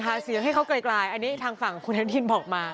หาเสียงให้เขาไกลอันนี้ทางฝั่งคุณอนุทินบอกมา